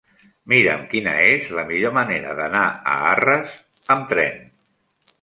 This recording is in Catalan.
Mira'm quina és la millor manera d'anar a Arres amb tren.